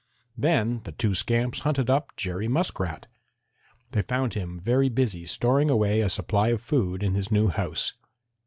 Then the two scamps hunted up Jerry Muskrat. They found him very busy storing away a supply of food in his new house.